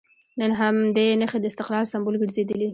نن همدې نښې د استقلال سمبول ګرځېدلي.